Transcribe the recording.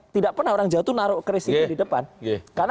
tidak pernah orang jawa itu naruh keris itu di depan